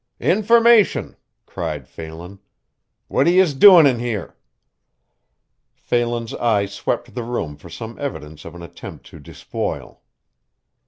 "Information!" cried Phelan. "What are yez doin' in here?" Phelan's eye swept the room for some evidence of an attempt to despoil.